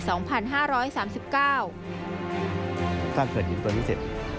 สร้างเควนหินตัวนี้เสร็จ